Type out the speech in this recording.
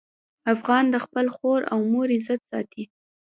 افغان د خپل خور او مور عزت ساتي.